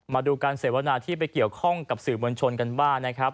มาดูการเสวนาที่ไปเกี่ยวข้องกับสื่อมวลชนกันบ้างนะครับ